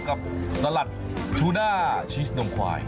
กับสลัดชูน่าชีสนมควาย